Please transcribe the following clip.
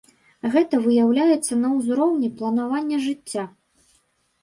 Гэта выяўляецца на ўзроўні планавання жыцця.